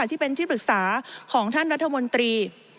ที่เป็นที่ปรึกษาของท่านรัฐมนตรี